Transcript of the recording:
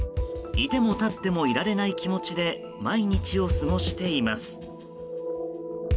いても立ってもいられない気持ちで毎日を過ごしています。